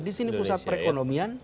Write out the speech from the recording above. di sini pusat perekonomian